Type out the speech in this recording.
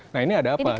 nah ini ada apa